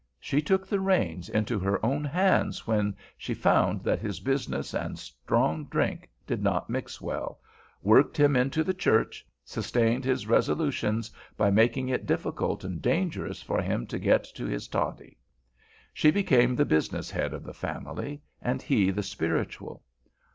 She took the reins into her own hands when she found that his business and strong drink did not mix well, worked him into the church, sustained his resolutions by making it difficult and dangerous for him to get to his toddy. She became the business head of the family, and he the spiritual.